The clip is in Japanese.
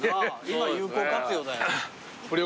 今有効活用だよ。